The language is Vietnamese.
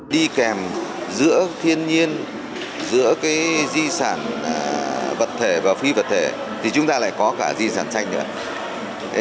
đi kèm giữa thiên nhiên giữa di sản vật thể và phi vật thể thì chúng ta lại có cả di sản tranh nữa